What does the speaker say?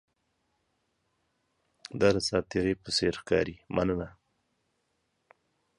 دا د ساتیرۍ په څیر ښکاري، مننه!